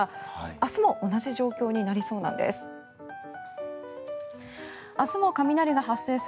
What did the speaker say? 明日も同じ状況になりそうなんです。